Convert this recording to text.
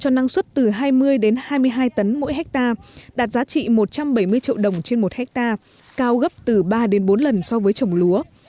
cho năng suất từ hai mươi đến hai mươi hai tấn mỗi hectare đạt giá trị một trăm bảy mươi triệu đồng trên một hectare cao gấp từ ba đến bốn lần so với trồng lúa